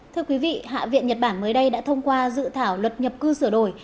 thưa quý vị hạ viện nhật bản mới đây đã thông qua dự thảo luật nhập cư sửa đổi